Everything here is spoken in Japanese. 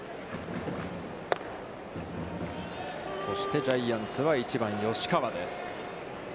そしてジャイアンツは１番の吉川です。